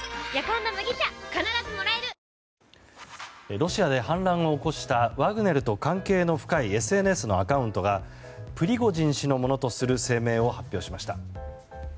ロシアで反乱を起こしたワグネルと関係の深いＳＮＳのアカウントがプリゴジン氏のものとする声明を発表しました。